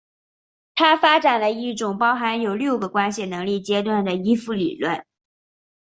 他发展了一种包含有六个关系能力阶段的依附理论。